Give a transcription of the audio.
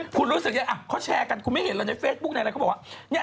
คุณรู้สึกยังไงเขาแชร์กันคุณไม่เห็นเลยในเฟซบุ๊คในอะไรเขาบอกว่า